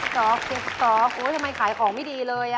เจ็บสต๊อกโอ๊ยทำไมขายของไม่ดีเลย